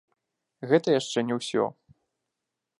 Гэта яшчэ не ўсё.